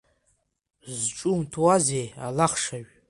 Зҿумҭуазеи, алахшажә?